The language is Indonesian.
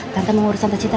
tante mengurus tante citra